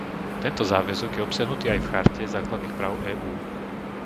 Tento záväzok je obsiahnutý aj v Charte základných práv EÚ.